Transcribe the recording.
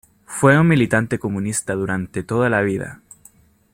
Fue un militante comunista durante toda la vida.